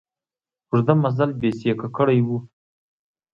اوږده مزل بېسېکه کړی و.